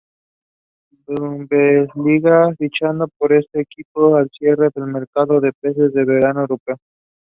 Elgin nailed an "Elgin Bomb" to Ryan for the win.